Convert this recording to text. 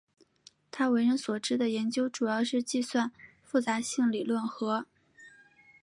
他为人所知的研究主要是计算复杂性理论和。